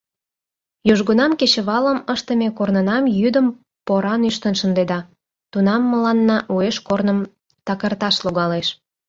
Южгунам кечывалым ыштыме корнынам йӱдым поран ӱштын шындеда, тунам мыланна уэш корным такырташ логалеш.